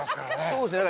そうですね